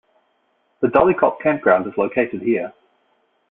The Dolly Copp campground is located here.